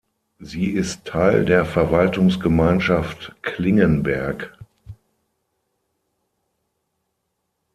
Sie ist Teil der Verwaltungsgemeinschaft Klingenberg.